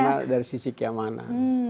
karena dari sisi kemana